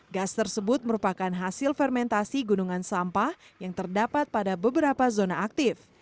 gas tersebut merupakan hasil fermentasi gunungan sampah yang terdapat pada beberapa zona aktif